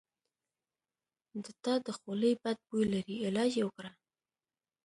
د تا د خولې بد بوي لري علاج یی وکړه